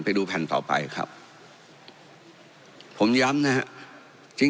ไปดูแผ่นต่อไปครับผมย้ำนะฮะจริง